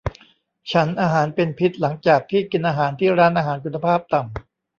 ฉันอาหารเป็นพิษหลังจากที่กินอาหารที่ร้านอาหารคุณภาพต่ำ